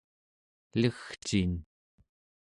legcin